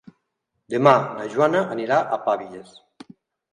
Demà na Joana anirà a Pavies.